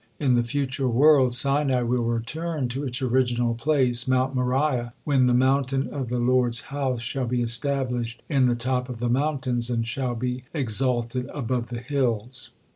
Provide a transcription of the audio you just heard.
In the future world, Sinai will return to its original place, Mount Moriah, when "the mountain of the Lord's house shall be established in the top of the mountains, and shall be exalted above the hills."